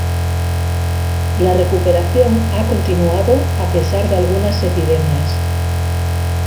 La recuperación ha continuado a pesar de algunas epidemias.